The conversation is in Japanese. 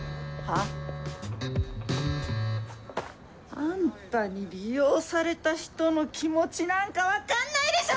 あんたに利用された人の気持ちなんか分かんないでしょ